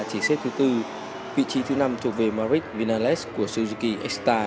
tại xếp thứ bốn vị trí thứ năm thuộc về maric vinales của suzuki x star